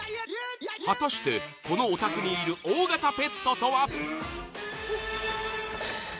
果たしてこのお宅にいる大型ペットとは？